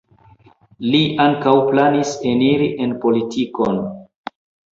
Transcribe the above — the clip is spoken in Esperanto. Li ankaŭ planis eniri en politikon.